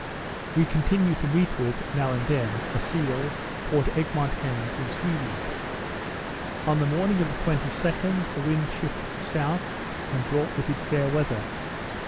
We continued to meet with, now and then, a seal, Port Egmont hens, and sea weed. On the morning of the 22d, the wind shifted to south, and brought with it fair weather.